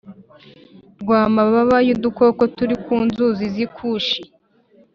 rw’amababa y’udukoko turi ku nzuzi z’i Kushi,